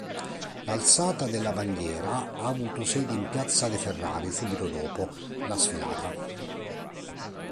L’alzata della bandiera ha avuto sede in Piazza de Ferrari subito dopo, la sfilata.